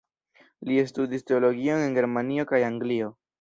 Li studis teologion en Germanio kaj Anglio.